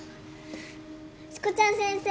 しこちゃん先生！